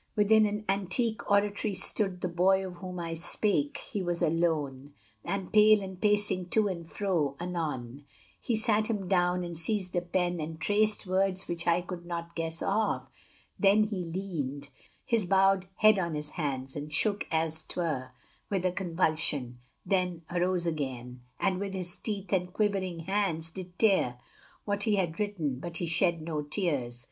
Within an antique oratory stood The boy of whom I spake; he was alone, And pale, and pacing to and fro; anon He sat him down, and seized a pen, and traced Words which I could not guess of: then he leaned His bowed head on his hands, and shook as 'twere With a convulsion then arose again, And with his teeth and quivering hands did tear What he had written, but he shed no tears.